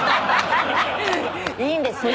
いいんですよ。